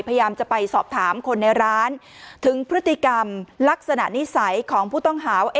พยายามจะไปสอบถามคนในร้านถึงพฤติกรรมลักษณะนิสัยของผู้ต้องหาว่า